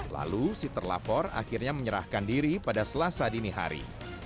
lalu si terlapor akhirnya menyerahkan diri pada selasa dini hari